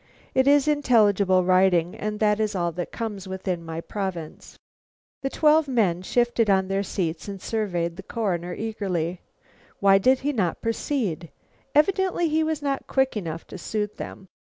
"It is intelligible writing, and that is all that comes within my province." The twelve men shifted on their seats and surveyed the Coroner eagerly. Why did he not proceed? Evidently he was not quick enough to suit them.